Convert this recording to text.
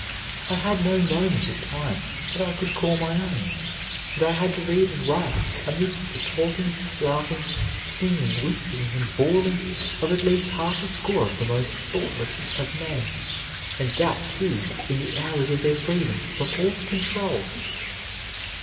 I had no moment of time that I could call my own, and I had to read and write amidst the talking, laughing, singing, whistling, and bawling of at least half a score of the most thoughtless of men, and that, too, in the hours of their freedom from all control.